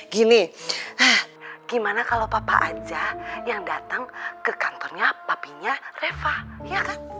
gini gimana kalau papa aja yang datang ke kantornya papinya reva ya kan